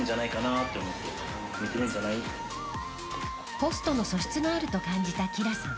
ホストの素質があると感じた輝さん。